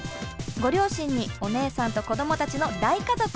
ご両親にお姉さんと子どもたちの大家族。